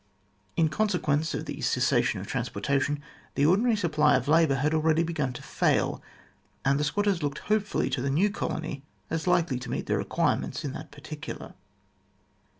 In consequence of the cessation of transportation, the ordinary supply of labour had already begun to fail, and the squatters looked hopefully to the new colony as likely to meet their requirements in that particular.